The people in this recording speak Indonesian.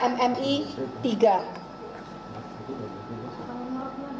kemudian di tempat yang lain